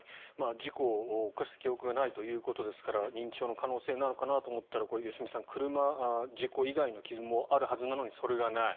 事故を起こした記憶がないということですから認知症の可能性なのかと思ったら車、事故以外の傷もあるはずなのに、それがない。